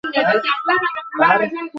কী জানো তুমি?